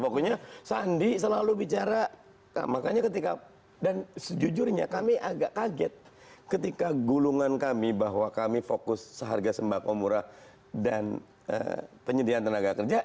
pokoknya sandi selalu bicara makanya ketika dan sejujurnya kami agak kaget ketika gulungan kami bahwa kami fokus seharga sembako murah dan penyediaan tenaga kerja